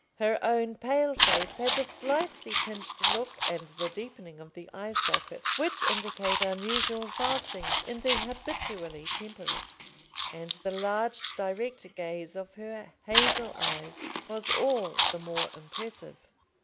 Her own pale face had the slightly pinched look and the deepening of the eye socket which indicate unusual fasting in the habitually temperate, and the large direct gaze of her hazel eyes was all the more impressive.